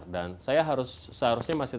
dan saya harusnya masih tetap panitik